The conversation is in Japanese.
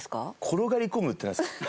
転がり込むってなんですか？